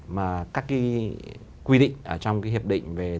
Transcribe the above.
mà các cái quy định ở trong cái hiệp định về